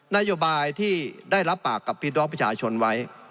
นโยบายที่ได้รับปากกับพี่น้องประชาชนไว้